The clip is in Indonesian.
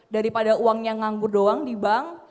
daripada uangnya nganggur doang di bank